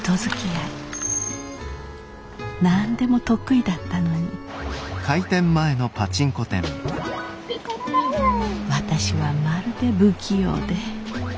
何でも得意だったのに私はまるで不器用で。